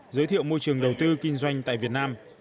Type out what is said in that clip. giới thiệu môi trường đầu tư kinh doanh tại việt nam